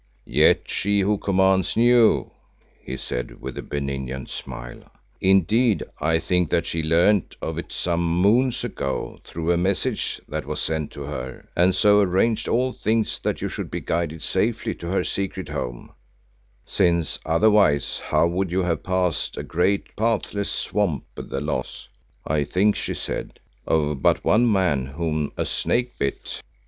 "Yet She who commands knew," he said with his benignant smile. "Indeed, I think that she learned of it some moons ago through a message that was sent to her and so arranged all things that you should be guided safely to her secret home; since otherwise how would you have passed a great pathless swamp with the loss, I think she said, of but one man whom a snake bit?"